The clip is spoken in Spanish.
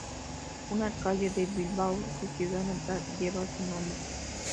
Una calle de Bilbao, su ciudad natal, lleva su nombre.